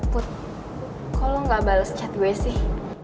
put kok lo gak bales chat gue sih